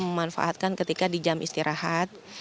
memanfaatkan ketika di jam istirahat